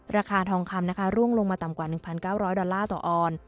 ราคาทองคำนะคะร่วงลงมาต่ำกว่า๑๙๐๐ดอลลาร์ต่อออน